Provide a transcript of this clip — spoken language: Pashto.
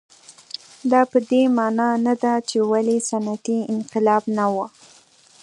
دا په دې معنا نه ده چې ولې صنعتي انقلاب نه و.